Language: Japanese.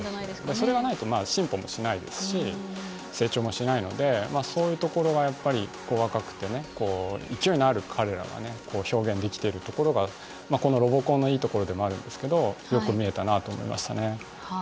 それがないとまあ進歩もしないですし成長もしないのでまあそういうところがやっぱり若くてね勢いのある彼らがね表現できてるところがこのロボコンのいいところでもあるんですけどよく見えたなと思いましたね。